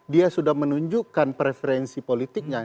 dia sudah menunjukkan preferensi politiknya